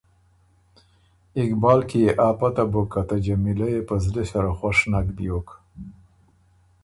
اقبال کی يې آ پته بُک که ته جمیلۀ يې په زلی سره خوش نک بیوک۔